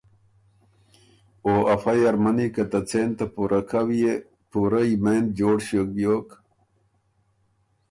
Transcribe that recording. او افئ ارمنی که ته څېن ته پُوره کؤ يې پُورۀ یمېںد جوړ ݭیوک بیوک